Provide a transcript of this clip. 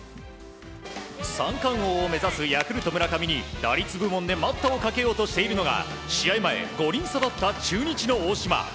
三冠王を目指すヤクルト村上に打率部門で待ったをかけようとしているのが試合前、５厘差だった中日の大島。